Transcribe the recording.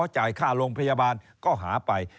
จ่ายค่าโรงพยาบาลก็หาไป